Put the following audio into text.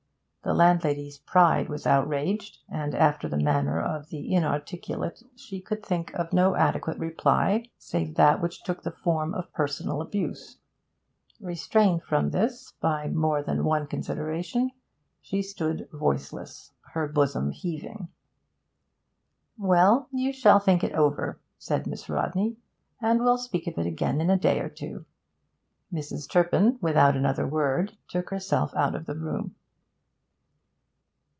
The landlady's pride was outraged, and after the manner of the inarticulate she could think of no adequate reply save that which took the form of personal abuse. Restrained from this by more than one consideration, she stood voiceless, her bosom heaving. 'Well, you shall think it over,' said Miss Rodney, 'and we'll speak of it again in a day or two.' Mrs. Turpin, without another word, took herself out of the room.